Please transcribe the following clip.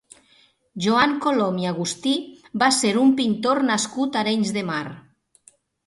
Joan Colom i Agustí va ser un pintor nascut a Arenys de Mar.